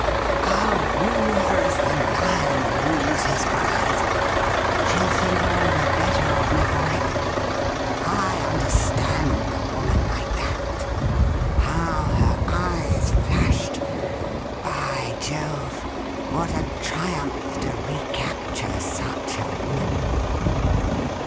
I'll woo her as the lion wooes his bride. She'll think all 'THY KINDNESS FREEZES' 227 the better of me for it. I understand a woman like that. How her eyes flashed ! By Jove ! what a triumph to re capture such a woman